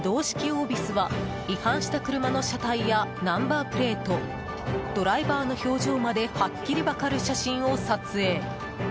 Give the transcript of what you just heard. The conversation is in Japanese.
オービスは違反した車の車体やナンバープレートドライバーの表情まではっきり分かる写真を撮影。